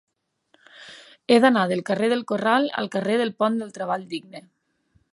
He d'anar del carrer del Corral al carrer del Pont del Treball Digne.